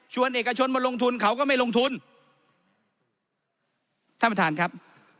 เอกชนมาลงทุนเขาก็ไม่ลงทุนท่านประธานครับ